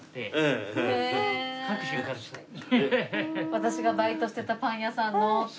「私がバイトしてたパン屋さんの」って？